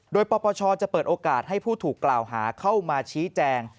โดยปปชจะเปิดโอกาสให้ผู้ถูกกล่าวหาเข้ามาชี้แจง